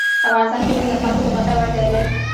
افغانستان کې ژبې د خلکو د خوښې وړ ځای دی.